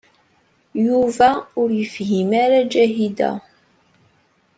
Yuba ur yefhim ara Ǧahida.